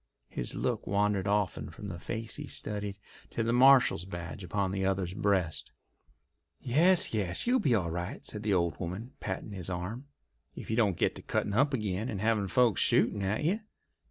His look wandered often from the face he studied to the marshal's badge upon the other's breast. "Yes, yes, you'll be all right," said the old woman, patting his arm, "if you don't get to cuttin' up agin, and havin' folks shooting at you.